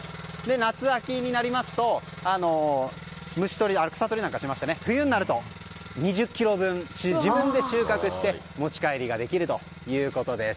夏、秋になりますと草取りなんかをしまして冬になると２０ｋｇ分自分で収穫して持ち帰りができるということです。